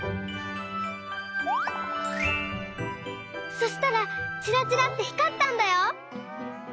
そしたらちらちらってひかったんだよ！